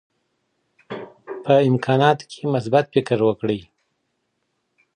په امکاناتو کي مثبت فکر وکړئ.